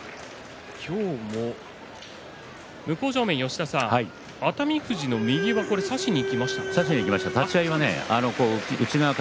向正面吉田さん、熱海富士の右は差しにいきましたか。